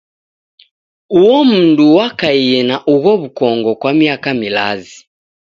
Uo mndu wakaie na ugho w'ukongo kwa miaka milazi.